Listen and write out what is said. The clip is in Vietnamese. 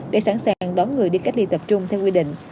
để sẵn sàng đón người đi cách ly tập trung theo quy định